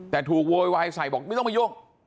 แต่ถูกโวยวายใส่บอกไม่ต้องมายุ่ง